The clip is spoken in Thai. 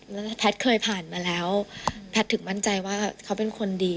แล้วแพทย์เคยผ่านมาแล้วแพทย์ถึงมั่นใจว่าเขาเป็นคนดี